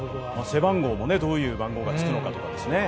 背番号もどういう番号がつくのかとかですね。